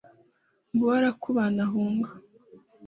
ng'uwo arakubana ahunga